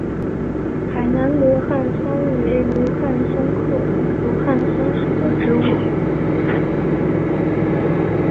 海南罗汉松为罗汉松科罗汉松属的植物。